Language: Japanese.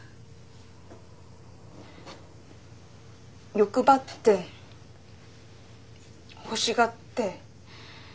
欲張って欲しがって。